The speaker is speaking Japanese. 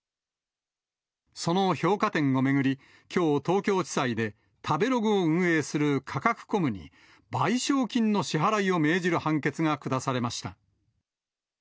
その評価点を巡り、きょう、東京地裁で、食べログを運営するカカクコムに、賠償金の支払いを命じる判決が下されました。